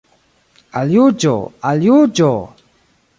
Al Juĝo, al Juĝo!